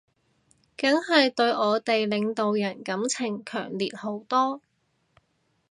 梗係對我哋領導人感情強烈好多